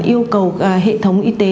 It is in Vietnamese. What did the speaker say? yêu cầu hệ thống y tế